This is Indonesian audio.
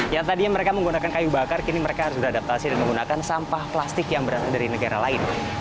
yang tadinya mereka menggunakan kayu bakar kini mereka harus beradaptasi dan menggunakan sampah plastik yang berasal dari negara lain